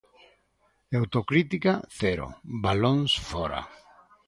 E autocrítica, cero; balóns fóra.